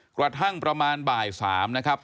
กระทั่งประมาณบ่าย๓นะครับ